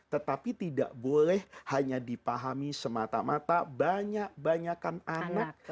tetapi tidak boleh hanya dipahami semata mata banyak banyakan anak